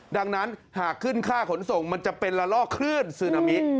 ดังนั้นหากขึ้นค่าขนส่งมันจะเป็นละลอกคลื่นซึนามิ